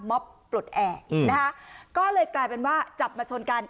มอบปลดแอร์นะคะก็เลยกลายเป็นว่าจับมาชนกัน